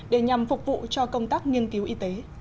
để nhằm phục vụ cho công tác nghiên cứu y tế